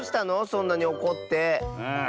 そんなにおこって。